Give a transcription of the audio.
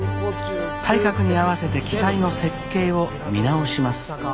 体格に合わせて機体の設計を見直します。